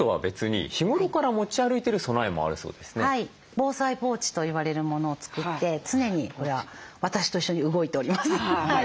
防災ポーチといわれるものを作って常にこれは私と一緒に動いております。